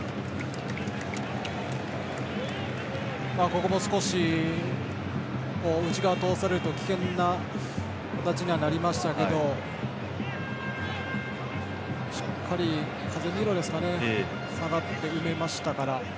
ここも少し内側を通されると危険な形にはなりましたけどしっかり、カゼミーロ下がって、埋めましたから。